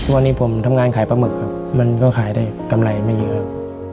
วันนี้ผมทำงานขายปลาหมึกครับมันก็ขายได้กำไรไม่เยอะครับ